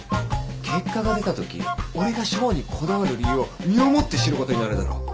結果が出たとき俺が賞にこだわる理由を身をもって知ることになるだろう。